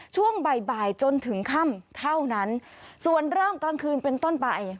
จนถึงค่ำเท่านั้นส่วนเริ่มกลางคืนเป็นต้นใบ